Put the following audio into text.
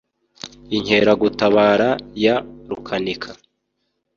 Inkeragutabara ya Rukanika.